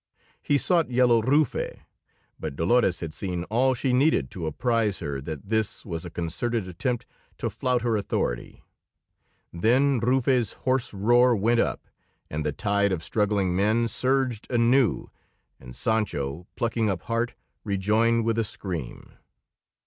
He sought Yellow Rufe, but Dolores had seen all she needed to apprise her that this was a concerted attempt to flout her authority. Then Rufe's hoarse roar went up, and the tide of struggling men surged anew, and Sancho, plucking up heart, rejoined with a scream.